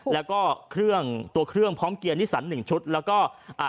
แล้วก็เครื่องตัวเครื่องพร้อมเกียร์นิสันหนึ่งชุดแล้วก็อ่า